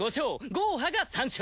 ゴーハが３勝！